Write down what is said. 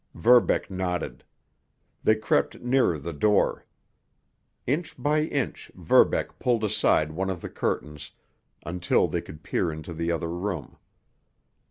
Verbeck nodded; they crept nearer the door. Inch by inch, Verbeck pulled aside one of the curtains, until they could peer into the other room.